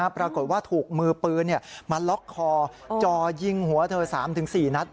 ปรากฏว่าถูกมือปืนมาล็อกคอจ่อยิงหัวเธอ๓๔นัด